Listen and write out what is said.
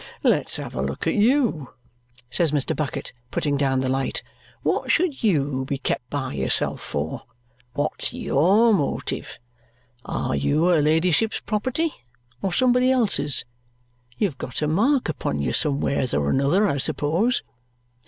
Let's have a look at YOU," says Mr. Bucket, putting down the light. "What should YOU be kept by yourself for? What's YOUR motive? Are you her ladyship's property, or somebody else's? You've got a mark upon you somewheres or another, I suppose?"